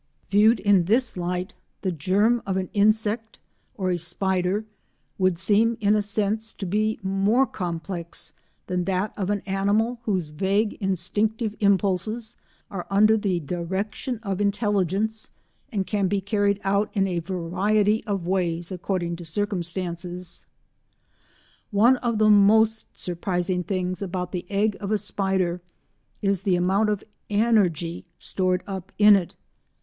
Viewed in this light, the germ of an insect or a spider would seem in a sense to be more complex than that of an animal whose vague instinctive impulses are under the direction of intelligence, and can be carried out in a variety of ways according to circumstances. One of the most surprising things about the egg of a spider is the amount of energy stored up in it.